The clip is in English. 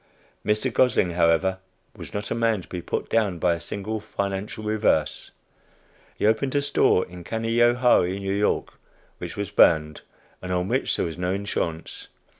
Mr. Gosling, however, was not a man to be put down by a single financial reverse. He opened a store in Canajoharie, N. Y., which was burned, and on which there was no insurance.